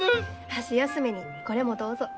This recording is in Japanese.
箸休めにこれもどうぞ。